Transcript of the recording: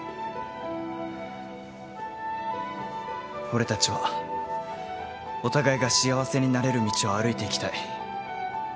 俺たちはお互いが幸せになれる道を歩いていきたい。